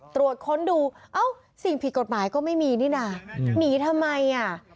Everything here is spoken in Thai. ตรวจค้นดูเอ้าสิ่งผิดกฎหมายก็ไม่มีนี่นะหนีทำไมอ่ะ